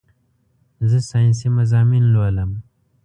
زه سائنسي مضامين لولم